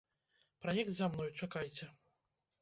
Праект за мной, чакайце.